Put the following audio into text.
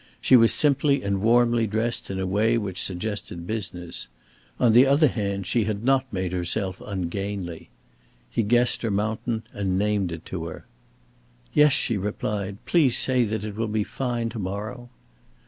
She was simply and warmly dressed in a way which suggested business. On the other hand she had not made herself ungainly. He guessed her mountain and named it to her. "Yes," she replied. "Please say that it will be fine to morrow!"